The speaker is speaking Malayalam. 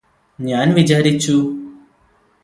ഞാന് വിചാരിച്ചു